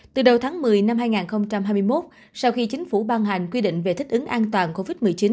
từ đầu tháng một mươi năm hai nghìn hai mươi một sau khi chính phủ ban hành quy định về thích ứng an toàn covid một mươi chín